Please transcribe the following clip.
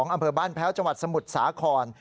อำเภอบ้านแพ้วจังหวัดสมุทรสาคร